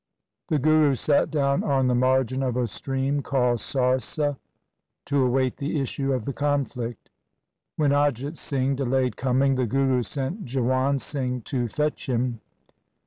The Guru sat down on the margin of a stream 186 THE SIKH RELIGION called Sarsa to await the issue of the conflict. When Ajit Singh delayed coming, the Guru sent Jiwan Singh to fetch him.